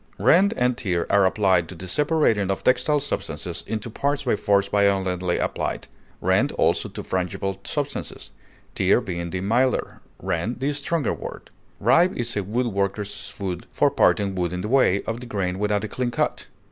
Rend and tear are applied to the separating of textile substances into parts by force violently applied (rend also to frangible substances), tear being the milder, rend the stronger word. Rive is a wood workers' word for parting wood in the way of the grain without a clean cut.